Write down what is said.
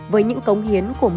với những cống hiến của các bạn